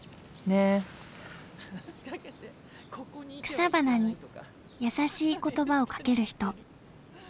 草花に優しい言葉をかける人。